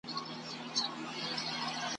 د نیکه وصیت مو خوښ دی که پر لاره به د پلار ځو ,